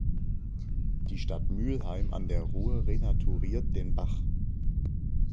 Die Stadt Mülheim an der Ruhr renaturiert den Bach.